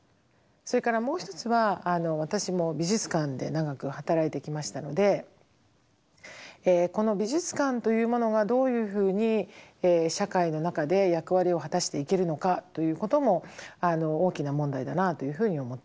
それからもう一つは私も美術館で長く働いてきましたのでこの美術館というものがどういうふうに社会の中で役割を果たしていけるのかということも大きな問題だなというふうに思っています。